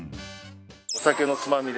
お酒のつまみで。